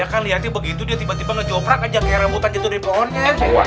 loh saya kan liatnya begitu dia tiba tiba ngejoprak aja kayak rambutan jatuh dari pohonnya